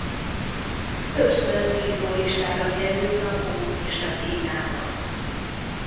Többször tiltólistára került a kommunista Kínában.